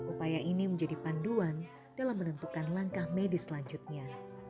upaya ini menjadi panduan dalam menentukan langkah medis selanjutnya